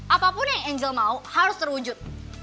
apapun yang angel mau harus terwujud